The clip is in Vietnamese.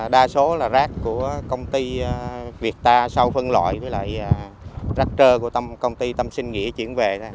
đa số là rác của công ty vietta sau phân loại với lại rác trơ của công ty tâm sinh nghĩa chuyển về